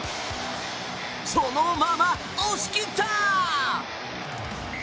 そのまま押し切った！